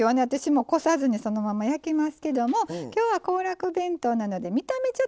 私もこさずにそのまま焼きますけども今日は行楽弁当なので見た目